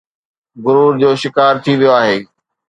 غرور جو شڪار ٿي ويو آهي